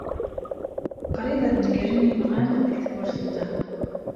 Qrib ad negren imɣan deg tmurt-neɣ.